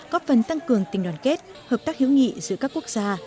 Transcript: góp phần tăng cường tình đoàn kết hợp tác hiếu nghị giữa các quốc gia